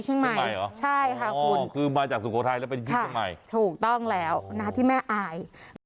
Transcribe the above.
ใช่ค่ะคุณคือมาจากสุโขทัยแล้วไปที่เชียงใหม่ถูกต้องแล้วนะที่แม่อาย